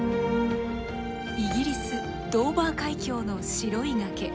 イギリスドーバー海峡の白い崖。